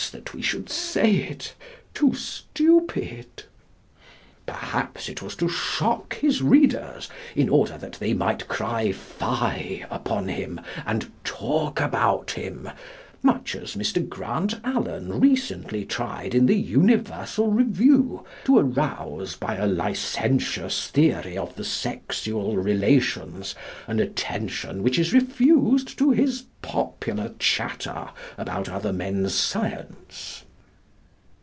that we should say it too stupid. Perhaps it was to shock his readers, in order that they might cry Fie! upon him and talk about him, much as Mr. Grant Allen recently tried in the Universal Review to arouse, by a licentious theory of the sexual relations, an attention which is refused to his popular chatter about other men's science.